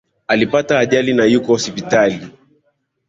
Alipata ajali na yuko hospitalini